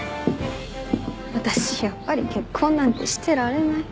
私やっぱり結婚なんてしてられない。